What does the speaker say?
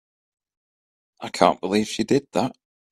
I can't believe she did that!